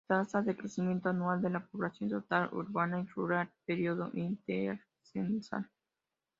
Tasa de crecimiento anual de la población total urbana y rural periodo intercensal.